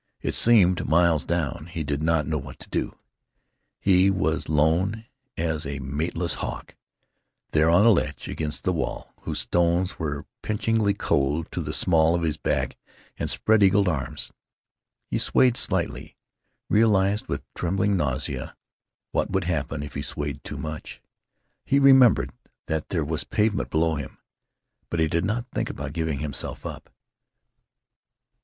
It seemed miles down. He did not know what to do. He was lone as a mateless hawk, there on the ledge, against the wall whose stones were pinchingly cold to the small of his back and his spread eagled arms. He swayed slightly; realized with trembling nausea what would happen if he swayed too much.... He remembered that there was pavement below him. But he did not think about giving himself up.